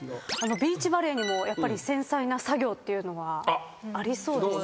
ビーチバレーにもやっぱり繊細な作業っていうのはありそうですよね。